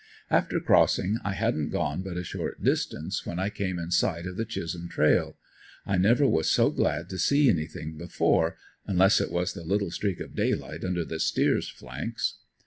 After crossing, I hadn't gone but a short distance when I came in sight of the Chisholm trail. I never was so glad to see anything before unless it was the little streak of daylight under the steer's flanks.